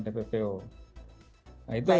tppo nah itu